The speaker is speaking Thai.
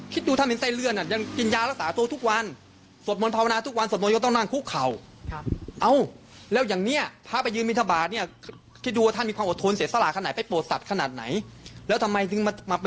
คิดดูท่านเป็นไส้เลื่อนน่ะยังกินยารักษาโทษทุกวัน